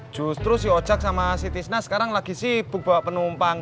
justru si ojek sama si tisna sekarang lagi sibuk bawa penumpang